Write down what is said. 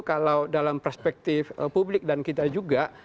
kalau dalam perspektif publik dan kita juga